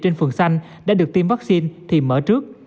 trên phường xanh đã được tiêm vaccine thì mở trước